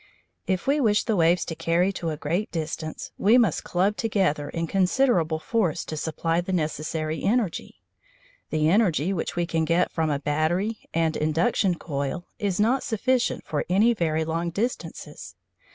If we wish the waves to carry to a great distance, we must club together in considerable force to supply the necessary energy. The energy which we can get from a battery and induction coil is not sufficient for any very long distances.